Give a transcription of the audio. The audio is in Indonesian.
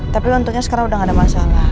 tapi untungnya sekarang udah gak ada masalah